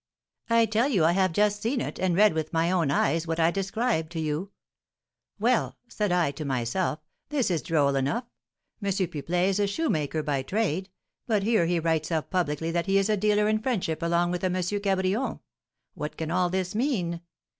"I tell you I have just seen it, and read with my own eyes what I described to you. 'Well,' said I to myself, 'this is droll enough! M. Pipelet is a shoemaker by trade, but here he writes up publicly that he is a dealer in friendship along with a M. Cabrion! What can all this mean?